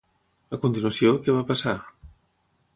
A continuació, què va passar?